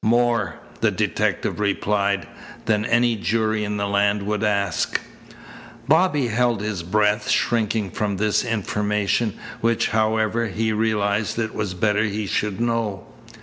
"More," the detective replied, "than any jury in the land would ask." Bobby held his breath, shrinking from this information, which, however, he realized it was better he should know.